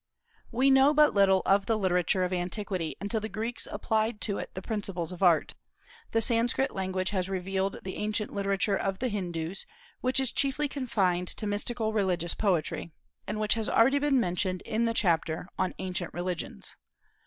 We know but little of the literature of antiquity until the Greeks applied to it the principles of art. The Sanskrit language has revealed the ancient literature of the Hindus, which is chiefly confined to mystical religious poetry, and which has already been mentioned in the chapter on "Ancient Religions."